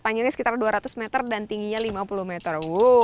panjangnya sekitar dua ratus meter dan tingginya lima puluh meter